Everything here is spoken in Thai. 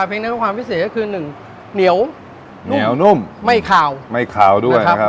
เพลงนั้นความพิเศษก็คือหนึ่งเหนียวเหนียวนุ่มไม่ขาวไม่ขาวด้วยครับ